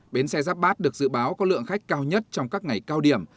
bến xe giáp bát được dự báo có lượng khách cao nhất trong các ngày cao điểm